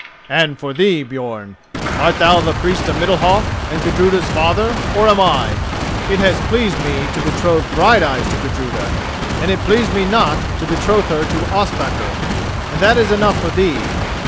And for thee, Björn, art thou the Priest of Middalhof, and Gudruda's father, or am I? It has pleased me to betroth Brighteyes to Gudruda, and it pleased me not to betroth her to Ospakar, and that is enough for thee.